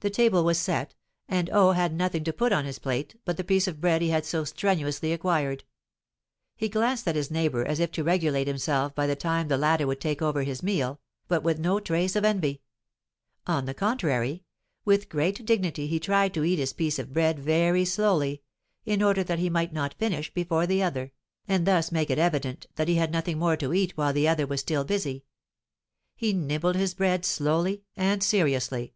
The table was set, and O had nothing to put upon his plate but the piece of bread he had so strenuously acquired; he glanced at his neighbor as if to regulate himself by the time the latter would take over his meal, but with no trace of envy; on the contrary, with great dignity he tried to eat his piece of bread very slowly, in order that he might not finish before the other, and thus make it evident that he had nothing more to eat while the other was still busy. He nibbled his bread slowly and seriously.